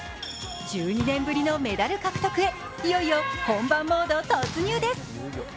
１２年ぶりのメダル獲得へ、いよいよ本番モード突入です。